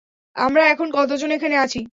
আমরা এখন কতজন এখানে আছি?